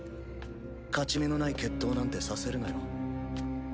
勝ち目のない決闘なんてさせるなよ。